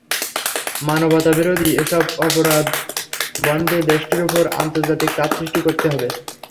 মানবতাবিরোধী এসব অপরাধ বন্ধে দেশটির ওপর আন্তর্জাতিক চাপ সৃষ্টি করতে হবে।